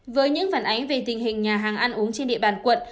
với những phản ánh về tình hình nhà hàng ăn uống trên địa bàn quận